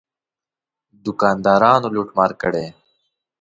دوکاندارانو لوټ مار کړی.